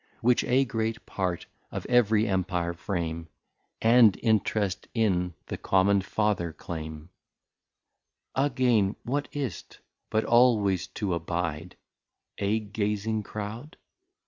Which a great Part of ev'ry Empire frame, And Interest in the common Father claime. Again what is't, but always to abide A Gazing Crowd?